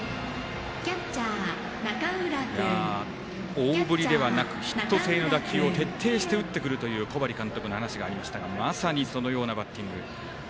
大振りではなくヒット性の打球を徹底して打ってくるという小針監督の話がありましたがまさに、そのようなバッティング。